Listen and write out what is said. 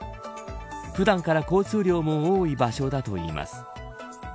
普段から交通量も多い場所だといいます。